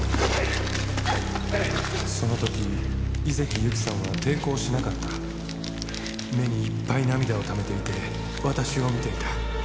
「その時井関ゆきさんは抵抗しなかった」「目にいっぱい涙をためていて私を見ていた」